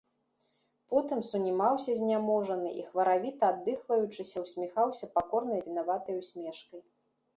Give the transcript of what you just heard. Потым сунімаўся, зняможаны, і, хваравіта аддыхваючыся, усміхаўся пакорнай вінаватай усмешкай.